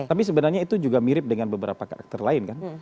tapi sebenarnya itu juga mirip dengan beberapa karakter lain kan